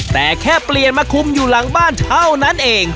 แต่แค่เปลี่ยนมาคุมอยู่หลังบ้านเท่านั้นเอง